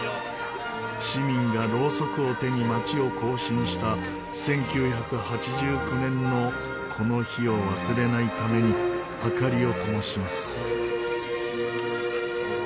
市民がろうそくを手に街を行進した１９８９年のこの日を忘れないために明かりをともします。